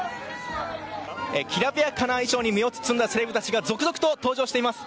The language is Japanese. きらびやかな衣装に身を包んだセレブたちが続々と登場しています。